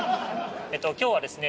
今日はですね